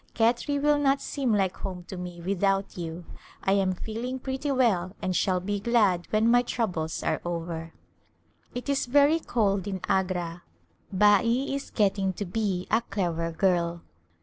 Khetri will not seem like home to me with out you. I am feeling pretty well and shall be glad when my troubles are over. It is very cold in Agra. Bai is getting to be a clever girl.